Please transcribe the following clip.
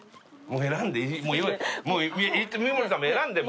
もう選んで。